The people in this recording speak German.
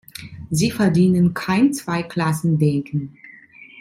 Sie verdienen kein Zwei-Klassen-Denken.